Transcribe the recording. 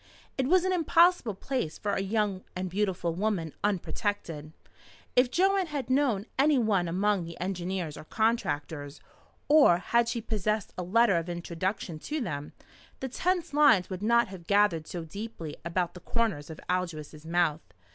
It was an impossible place for a young and beautiful woman unprotected. If Joanne had known any one among the engineers or contractors, or had she possessed a letter of introduction to them, the tense lines would not have gathered so deeply about the corners of Aldous' mouth.